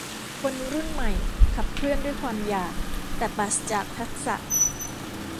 คนรุ่นใหม่ขับเคลื่อนด้วยความอยาก แต่ปราศจากทักษะ